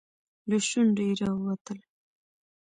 له شونډو يې راووتل.